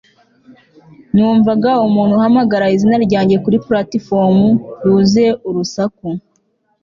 numvaga umuntu uhamagara izina ryanjye kuri platifomu yuzuye urusaku